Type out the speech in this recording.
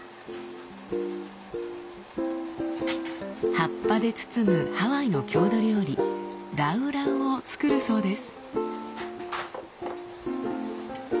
葉っぱで包むハワイの郷土料理ラウラウを作るそうです。